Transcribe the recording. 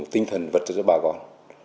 tinh thần vật chất cho bà con